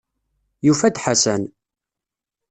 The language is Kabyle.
Yufa-d Ḥasan.